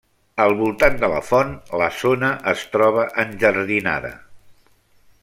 Al voltant de la font, la zona es troba enjardinada.